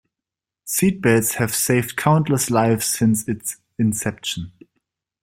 Seat belts have saved countless lives since its inception.